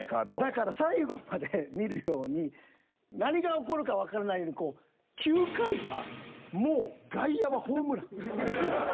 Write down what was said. だから最後まで見るように何が起こるかわからないように９回はもう外野はホームラン。